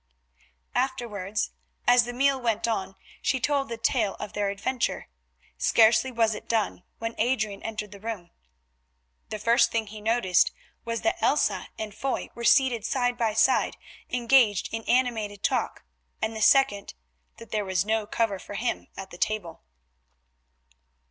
Afterwards as the meal went on she told the tale of their adventure. Scarcely was it done when Adrian entered the room. The first thing he noticed was that Elsa and Foy were seated side by side, engaged in animated talk, and the second, that there was no cover for him at the table.